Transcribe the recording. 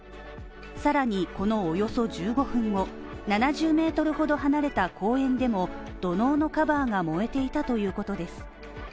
更に、このおよそ１５分後、７０ｍほど離れた公園でも土のうのカバーが燃えていたということです。